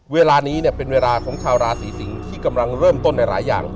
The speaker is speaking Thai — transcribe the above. เวลานี้เนี่ยเป็นเวลาของชาวราศีสิงศ์ที่กำลังเริ่มต้นในหลายอย่าง